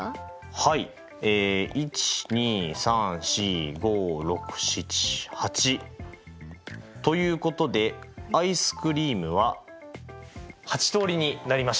はい１２３４５６７８。ということでアイスクリームは８通りになりました。